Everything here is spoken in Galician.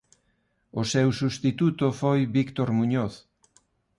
O seu substituto foi Víctor Muñoz.